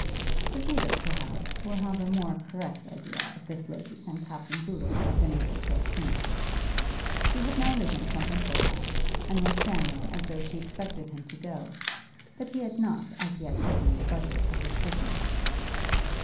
The reader, perhaps, will have a more correct idea of this lady than Captain Boodle had been able to obtain. She had now risen from her sofa, and was standing as though she expected him to go; but he had not as yet opened the budget of his business.